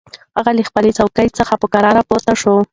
هغه له خپلې څوکۍ څخه په کراره پورته شوه.